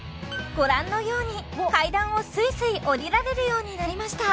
ご覧のように階段をスイスイ下りられるようになりました